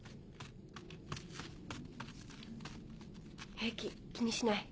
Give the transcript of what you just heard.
平気気にしない。